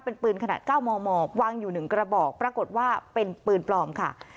เป็นปืนขนาด๙มมวางอยู่๑กระบอกปรากฏว่าเป็นปืนปลอมค่ะ